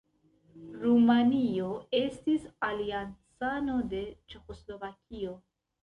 Rumanio estis aliancano de Ĉeĥoslovakio.